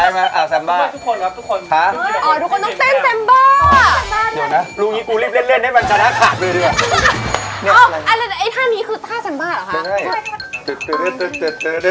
มันหลงฝ้าไม่มีใครรอดแล้วเฮ้ย